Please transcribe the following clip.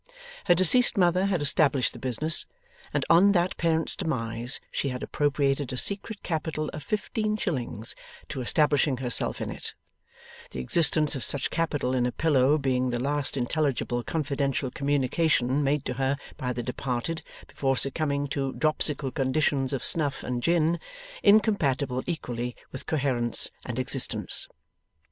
Her deceased mother had established the business, and on that parent's demise she had appropriated a secret capital of fifteen shillings to establishing herself in it; the existence of such capital in a pillow being the last intelligible confidential communication made to her by the departed, before succumbing to dropsical conditions of snuff and gin, incompatible equally with coherence and existence.